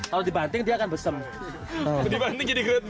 kalau dibanting jadi grade b